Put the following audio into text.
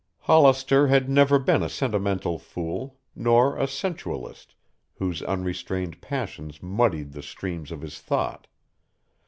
Hollister had never been a sentimental fool, nor a sensualist whose unrestrained passions muddied the streams of his thought.